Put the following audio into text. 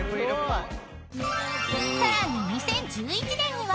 ［さらに２０１１年には］